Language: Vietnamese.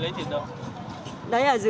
mình lấy thịt đâu